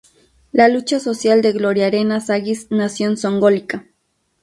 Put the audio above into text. La lucha social de Gloria Arenas Agis nació en Zongolica.